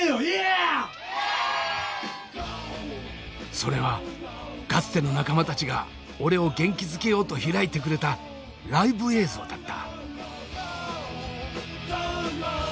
それはかつての仲間たちが俺を元気づけようと開いてくれたライブ映像だった。